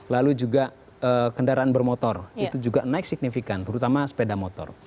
lalu juga kendaraan bermotor itu juga naik signifikan terutama sepeda motor